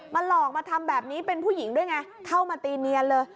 หลอกมาทำแบบนี้เป็นผู้หญิงด้วยไงเข้ามาตีเนียนเลย